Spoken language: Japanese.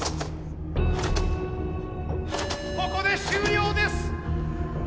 ここで終了です。